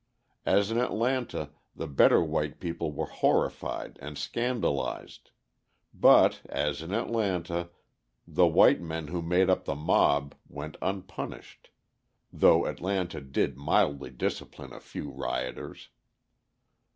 As in Atlanta, the better white people were horrified and scandalised; but, as in Atlanta, the white men who made up the mob went unpunished (though Atlanta did mildly discipline a few rioters).